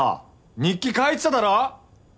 日記書いてただろ。